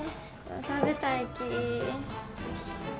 食べたいき。